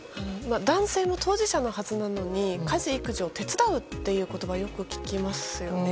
男性の当事者のはずなのに家事、育児を手伝うことはよく聞きますよね。